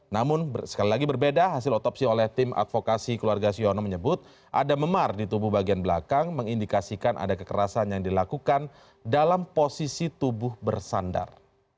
namun sekali lagi berbeda hasil otopsi oleh tim advokasi keluarga siono menyebut ada memar di tubuh bagian belakang mengindikasikan ada kekerasan yang dilakukan dalam posisi tubuh bersandar